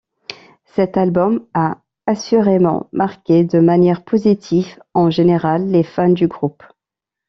Cet album a assurément marqué de manière positive, en général, les fans du groupe.